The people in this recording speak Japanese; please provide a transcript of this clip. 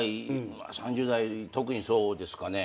３０代特にそうですかね。